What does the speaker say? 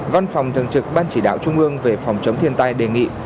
văn phòng thường trực ban chỉ đạo trung ương về phòng chống thiên tai đề nghị